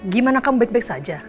gimana kamu baik baik saja